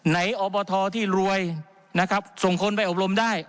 อบทที่รวยนะครับส่งคนไปอบรมได้